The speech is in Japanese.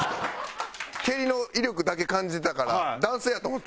蹴りの威力だけ感じてたから男性やと思った？